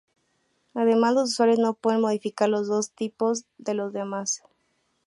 Además, los usuarios no pueden modificar los tipos de los demás.